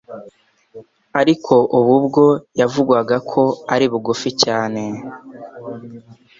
ariko ubu bwo yavugwaga ko ari bugufi cyane.